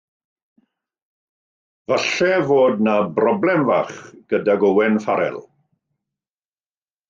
Falle fod yna broblem fach gydag Owen Farell.